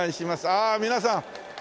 ああ皆さん。